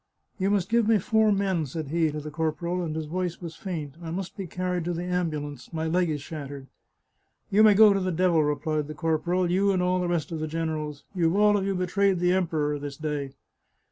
" You must give me four men," said he to the cor poral, and his voice was faint. " I must be carried to the ambulance ; my leg is shattered." " You may go to the devil," replied the corporal ;" you and all the rest of the generals. You've all of you betrayed the Emperor this day."